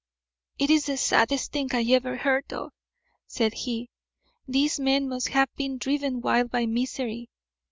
"It is the saddest thing I ever heard of," said he. "These men must have been driven wild by misery.